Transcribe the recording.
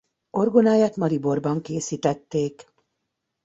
Orgonáját Mariborban készítették.